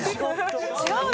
違うの？